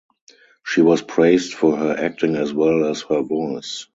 She was praised for her acting as well as her voice.